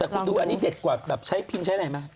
แต่คุณดูอันนี้เด็ดกว่าแบบใช้พิมพ์ใช้อะไรไหม